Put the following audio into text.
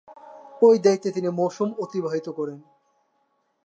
ঐ দায়িত্বে তিন মৌসুম অতিবাহিত করেন।